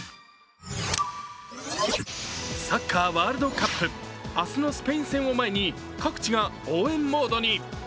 サッカー、ワールドカップ明日のスペイン戦を前に各地が応援モードに。